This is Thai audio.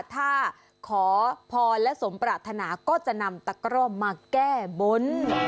ถ้าขอพรและสมปรารถนาก็จะนำตะกร่อมมาแก้บน